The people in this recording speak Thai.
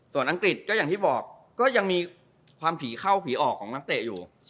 ส่วนอังกฤษก็อย่างที่บอกก็ยังมีความผีเข้าผีออกของนักเตะอยู่